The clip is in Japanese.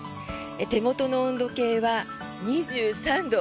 手元の温度計は２３度。